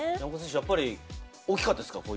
やっぱり食事は大きかったですか？